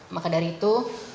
maka dari itu